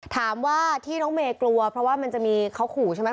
ถามว่าที่น้องเมย์กลัวเพราะว่ามันจะมีเขาขู่ใช่ไหม